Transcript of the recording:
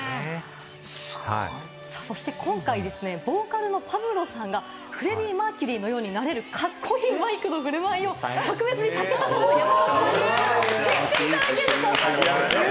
さあ、そして今回、ボーカルのパブロさんがフレディ・マーキュリーのようになれるカッコいいマイクの振る舞いを特別に武田さんに教えていただけると。